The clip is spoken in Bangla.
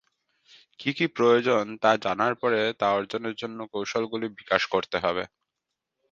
কি কি প্রয়োজন তা জানার পরে তা অর্জনের জন্য কৌশলগুলি বিকাশ করতে হবে।